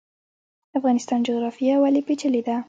د افغانستان جغرافیا ولې پیچلې ده؟